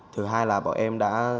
thứ hai là bọn em đã